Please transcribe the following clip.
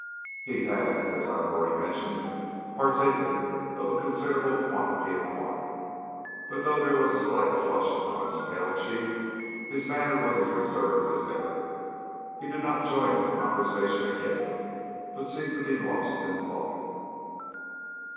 He had, as I have already mentioned, partaken of a considerable quantity of wine; but though there was a slight flush upon his pale cheek, his manner was as reserved as ever. He did not join in the conversation again, but seemed to be lost in thought.